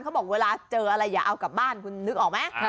เขาบอกเวลาเจออะไรอย่าเอากลับบ้านคุณนึกออกไหม